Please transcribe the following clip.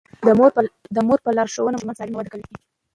د مور په لارښوونه ماشومان سالم وده کوي.